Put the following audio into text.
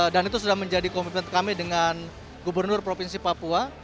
dan itu sudah menjadi komitmen kami dengan gubernur provinsi papua